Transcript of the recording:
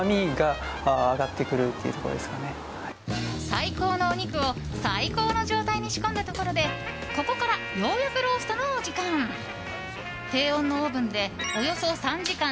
最高のお肉を最高の状態に仕込んだことでここから、ようやくローストのお時間。